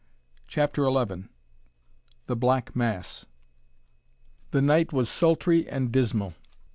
CHAPTER XI THE BLACK MASS The night was sultry and dismal.